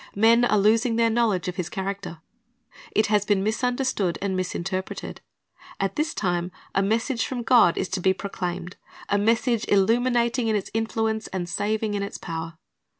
Men are losing their knowledge of His character. It has been misunderstood and misin terpreted. At this time a message from God is to be proclaimed, a message illuminating in its influence and saving in its power.